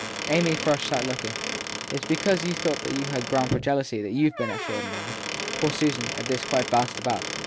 Amy Frush sat looking. It s because you thought you had ground for jealousy that you ve been extraordinary ? Poor Susan, at this, quite bounced about.